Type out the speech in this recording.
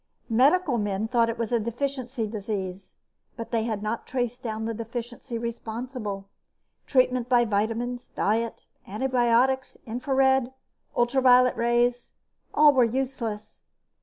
Medical men thought it was a deficiency disease, but they had not traced down the deficiency responsible. Treatment by vitamins, diet, antibiotics, infrared and ultraviolet rays, all were useless.